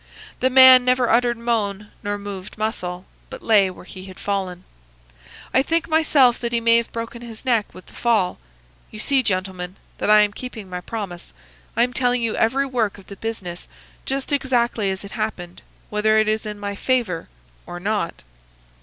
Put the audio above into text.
The man never uttered moan nor moved muscle, but lay were he had fallen. I think myself that he may have broken his neck with the fall. You see, gentlemen, that I am keeping my promise. I am telling you every work of the business just exactly as it happened, whether it is in my favour or not."